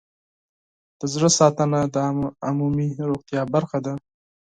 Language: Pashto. د زړه ساتنه د عمومي روغتیا برخه ده.